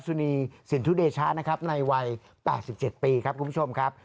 สุนีสินทุเดชะนะครับในวัย๘๗ปีครับคุณผู้ชมครับ